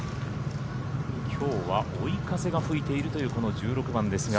きょうは追い風が吹いているというこの１６番ですが。